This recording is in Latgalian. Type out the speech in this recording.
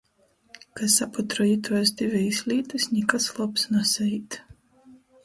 Ka saputroj ituos divejis lītys, nikas lobs nasaīt.